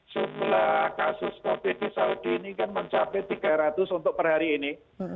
jumlah kasus covid di saudi ini kan mencapai tiga ratus untuk per hari ini